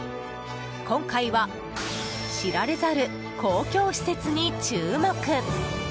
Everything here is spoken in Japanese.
今回は知られざる公共施設に注目。